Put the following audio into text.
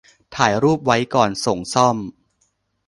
ถ่ายรูปไว้ก่อนส่งซ่อม